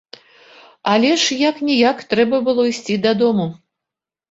Але ж як-ніяк трэба было ісці дадому.